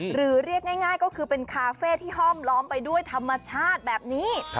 เรียกง่ายก็คือเป็นคาเฟ่ที่ห้อมล้อมไปด้วยธรรมชาติแบบนี้